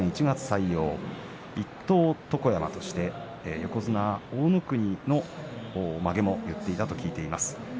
一等床山として横綱大乃国のまげも結っていたと聞いています。